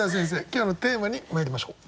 今日のテーマにまいりましょう。